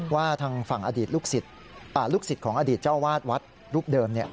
ว่าทางฝั่งอดีตลูกศิษย์ของอดีตเจ้าวาดวัดรูปเดิม